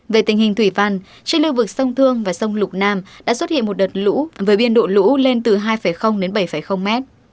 về tình hình thủy văn trên lưu vực sông thương và sông lục nam đã xuất hiện một đợt lũ với biên độ lũ lên từ hai đến bảy m